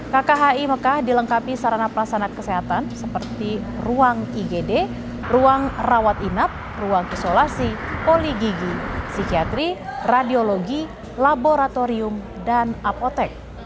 kkhi mekah dilengkapi sarana prasana kesehatan seperti ruang igd ruang rawat inap ruang isolasi poligigi psikiatri radiologi laboratorium dan apotek